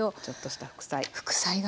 ちょっとした副菜。